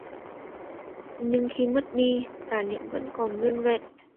nhưng khi mất đi, tà niệm vẫn còn nguyên vẹn